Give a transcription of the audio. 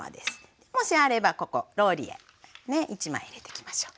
もしあればここローリエね１枚入れていきましょう。